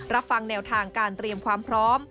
รับฟังแนวทางการเตรียมความพร้อม